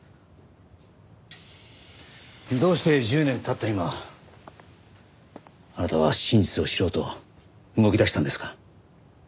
どうして１０年経った今あなたは真実を知ろうと動きだしたんですか？